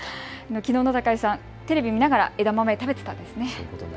きのうの高井さん、テレビを見ながら枝豆を食べていたんですね。